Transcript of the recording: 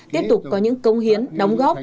tiếp tục có những công hiến đóng góp